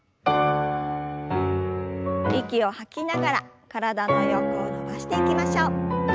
息を吐きながら体の横を伸ばしていきましょう。